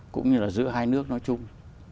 cũng như là giữa hai nước nói chung